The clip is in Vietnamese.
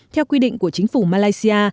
theo quy định của chính phủ malaysia